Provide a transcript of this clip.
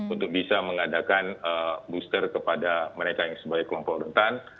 untuk bisa mengadakan booster kepada mereka yang sebagai kelompok rentan